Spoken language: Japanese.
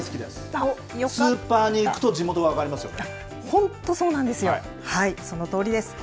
スーパーに行くと、地元が分かりますよね。